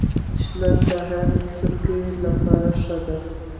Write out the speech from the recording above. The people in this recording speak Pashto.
شنه ساحه د سترګو لپاره ښه ده.